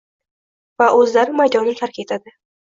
va o‘zlari maydonni tark etadi.